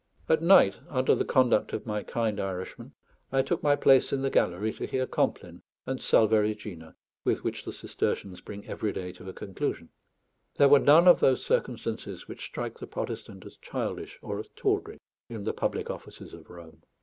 At night, under the conduct of my kind Irishman, I took my place in the gallery to hear compline and Salve Regina, with which the Cistercians bring every day to a conclusion. There were none of those circumstances which strike the Protestant as childish or as tawdry in the public offices of Rome.